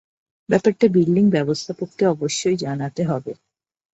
ব্যাপারটা বিল্ডিং ব্যবস্থাপককে অবশ্যই জানাতে হবে।